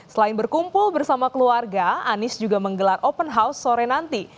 selain berkumpul bersama keluarga anies juga menggelar open house sore nanti